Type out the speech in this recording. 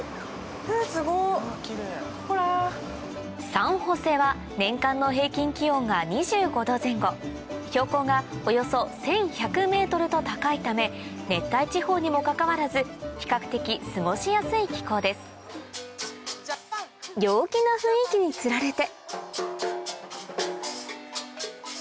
サンホセは年間の標高がおよそ １１００ｍ と高いため熱帯地方にもかかわらず比較的過ごしやすい気候です陽気な雰囲気につられて